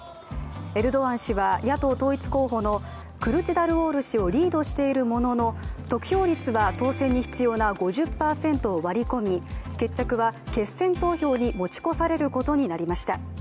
エルドアン氏は野党統一候補のクルチダルオール氏をリードしているものの得票率は当選に必要な５０％を割り込み決着は決選投票に持ち越されることになりました。